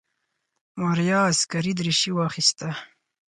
ماريا عسکري دريشي واخيسته.